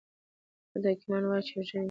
دلته حکيمان وايي چې ژمی به سخت وي.